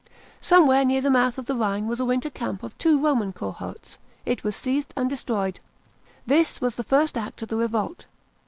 Somewhere near the mouth of the Rhine was a winter camp of two Roman cohorts; it was seized and destroyed. This waa the first act of the revolt.